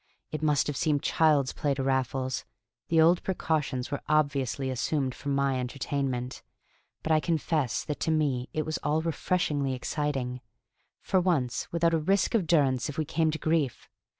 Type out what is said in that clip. It must have seemed child's play to Raffles; the old precautions were obviously assumed for my entertainment; but I confess that to me it was all refreshingly exciting for once without a risk of durance if we came to grief!